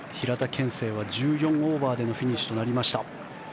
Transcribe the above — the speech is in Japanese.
憲聖は１４オーバーでのフィニッシュとなりました。